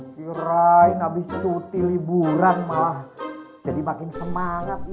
sirain abis cuti liburan malah jadi makin semangat